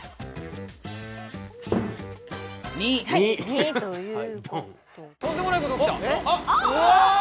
「２」という。